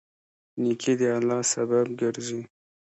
نیکي د الله رضا سبب ګرځي.